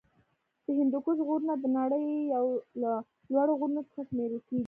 د هندوکش غرونه د نړۍ یو له لوړو غرونو څخه شمېرل کیږی.